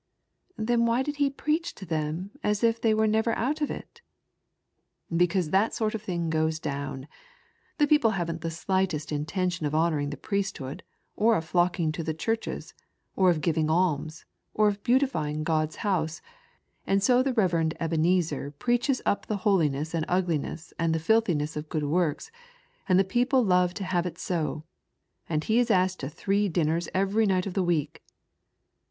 Then why did he preach to them as if they were never out of it ?"" Because that sort of thing goes down. The people haven't the slightest intention of honouring the priesthood, or of flocking to the churches, or of giving alms, or of beautifying God's House, and so the Kev. Ebenezer preaches up the holiness of ugliness and the filthiness of good works, and the people love to have it so, and he is asked to three dinners every night of the week."